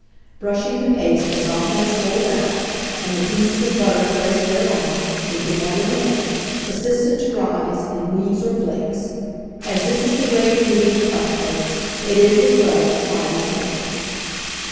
Brushing the paste as often as rolled out, and the pieces of butter placed thereon, with the white of an egg, assists it to rise in leaves or flakes. As this is the great beauty of puff paste, it is as well to try this method.